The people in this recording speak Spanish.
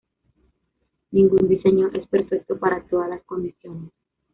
Ningún diseño es perfecto para todas las condiciones.